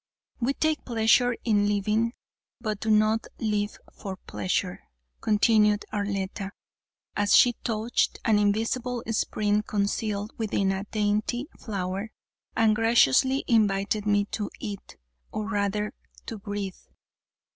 "We take pleasure in living, but do not live for pleasure," continued Arletta, as she touched an invisible spring concealed within a dainty flower and graciously invited me to eat or rather to breathe.